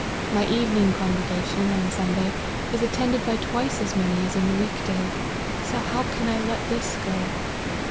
My evening congregation, on Sunday, is attended by twice as many as in the week day ; so how can I let this go?"